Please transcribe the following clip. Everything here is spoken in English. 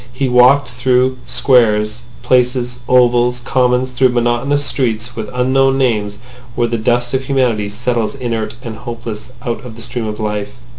He walked through Squares, Places, Ovals, Commons, through monotonous streets with unknown names where the dust of humanity settles inert and hopeless out of the stream of life.